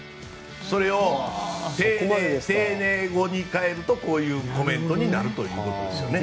それを丁寧語に変えるとこういうコメントになるということですね。